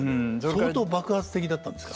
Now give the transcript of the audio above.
相当爆発的だったんですか。